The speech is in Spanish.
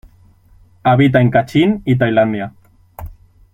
Habita en Kachin y Tailandia.